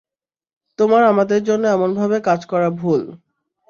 তোমার আমাদের জন্য এমনভাবে কাজ করা ভুল।